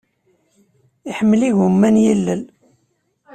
Iḥemmel igumma n yilel.